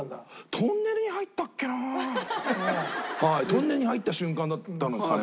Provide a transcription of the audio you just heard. トンネルに入った瞬間だったんですかね。